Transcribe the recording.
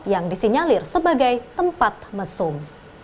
yang disinyalir sebagai tempat mesum